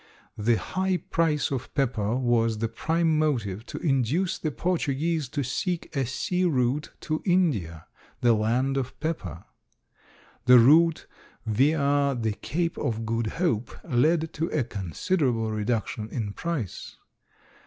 The high price of pepper was the prime motive to induce the Portuguese to seek a sea route to India, the land of pepper. The route via the Cape of Good Hope led to a considerable reduction in price.